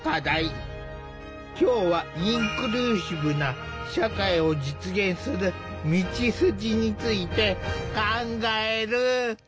今日はインクルーシブな社会を実現する道筋について考える。